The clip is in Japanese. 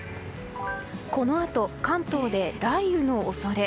このあと関東で雷雨の恐れ。